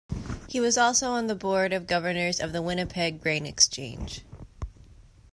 He was also on the board of governors of the Winnipeg Grain Exchange.